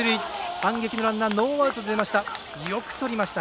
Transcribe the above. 反撃のランナーノーアウトで出ました。